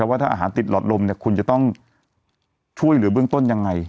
ว่าถ้าอาหารติดหลอดลมเนี่ยคุณจะต้องช่วยเหลือเบื้องต้นยังไง